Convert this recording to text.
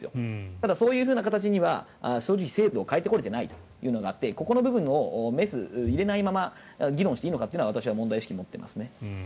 ただ、そういう形には制度を変えてこれてないところがあってここの部分のメスを入れないまま議論をしていいのかと私は問題意識を持っています。